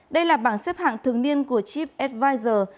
đây là bảng xếp hạng thường niên của tripadvisor